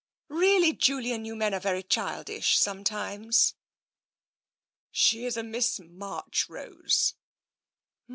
Really, Julian, you men are very childish sometimes." " She is a Miss Marchrose."